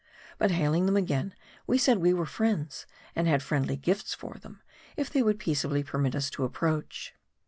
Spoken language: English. But hailing them again, we said we were friends, and had friendly gifts for them, if they would peaceably permit us to approach.